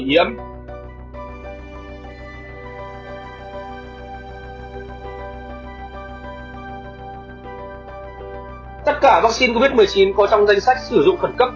tất cả vắc xin covid một mươi chín có trong danh sách sử dụng phần cấp của daniel hano không phải là vắc xin sống vì vậy chúng có thể gây bệnh cho bà mẹ hoặc cho trẻ sơ sinh